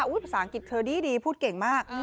ภาษาอังกฤษเธอดีพูดเก่งมาก